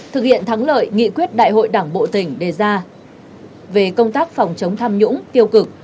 thực hiện thắng lợi nghị quyết đại hội đảng bộ tỉnh đề ra về công tác phòng chống tham nhũng tiêu cực